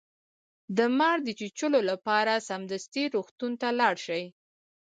د مار د چیچلو لپاره سمدستي روغتون ته لاړ شئ